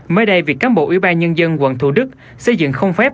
mới đây việc cán bộ ủy ban nhân dân quận thủ đức xây dựng không phép